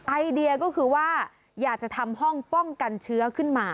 ไอเดียก็คือว่าอยากจะทำห้องป้องกันเชื้อขึ้นมา